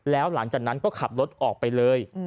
แล้วหลังจากนั้นก็ขับรถออกไปเลย